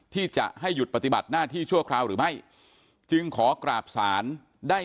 ที่จะให้หยุดปฏิบัติหน้าที่ชั่วคราวหรือไม่จึงขอกราบศาลได้